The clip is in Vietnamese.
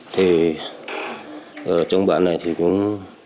thì trong bản này thì cũng